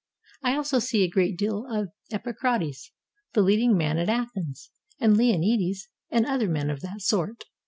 I also see a great deal of Epicrates, the leading man at Athens, and Leonides, and other men of that sort.